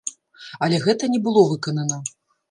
Але гэта не было выканана.